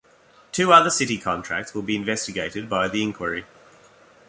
Two other city contracts will be investigated by the Inquiry.